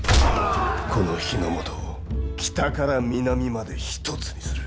この日ノ本を北から南まで一つにする。